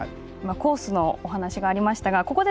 コースのお話ありましたが